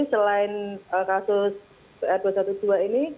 selain kasus pr dua ratus dua belas ini